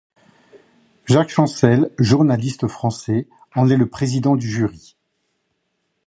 Jacques Chancel, journaliste français, en est le président du jury.